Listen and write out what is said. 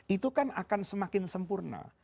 itu kan akan semakin sempurna